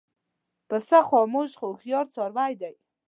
پسه خاموش خو هوښیار څاروی دی.